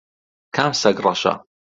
کام سەگ ڕەشە؟